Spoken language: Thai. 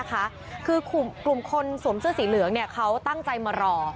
คือกลุ่มคนสวมเสื้อสีเหลืองเขาตั้งใจมารอ